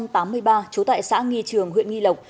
trú tại xã nghi trường huyện nghi lộc